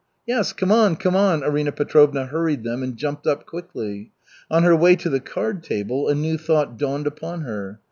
"Yes, come on, come on!" Arina Petrovna hurried them and jumped up quickly. On her way to the card table a new thought dawned upon her.